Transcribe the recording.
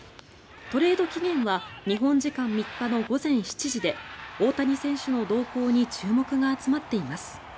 トレード期限は日本時間３日の午前７時で大谷選手の動向に注目が集まっています。